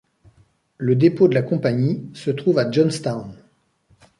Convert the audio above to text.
Le dépôt de la compagnie se trouve à Johnstown.